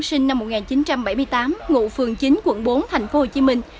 sinh năm một nghìn chín trăm bảy mươi tám ngụ phường chín quận bốn thành phố hồ chí minh